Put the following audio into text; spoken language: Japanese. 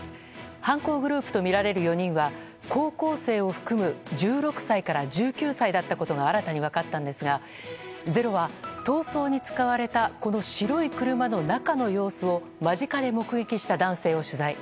犯行グループとみられる４人は高校生を含む１６歳から１９歳だったことが新たに分かったんですが「ｚｅｒｏ」は逃走に使われたこの白い車の中の様子を間近で目撃した男性を取材。